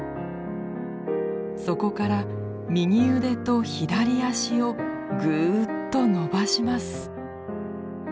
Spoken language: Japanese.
そこから右腕と左脚をぐっと伸ばします。